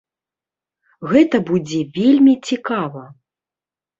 Гэта будзе вельмі цікава.